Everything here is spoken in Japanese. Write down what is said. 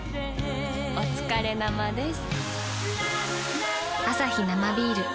おつかれ生です。